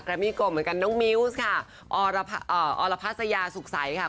มี่โกเหมือนกันน้องมิวส์ค่ะอรพัสยาสุขใสค่ะ